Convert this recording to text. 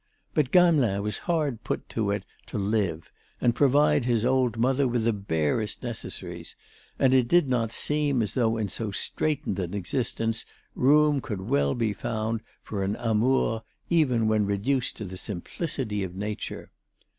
But Gamelin was hard put to it to live and provide his old mother with the barest necessaries, and it did not seem as though in so straitened an existence room could well be found for an amour even when reduced to the simplicity of nature.